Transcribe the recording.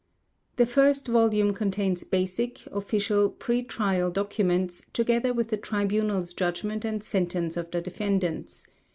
The first volume contains basic, official, pre trial documents together with the Tribunal's judgment and sentence of the defendants.